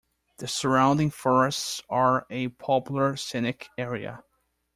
The surrounding forests are a popular scenic area.